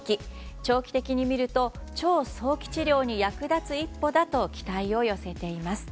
長期的に見ると超早期治療に役立つ一歩だと期待を寄せています。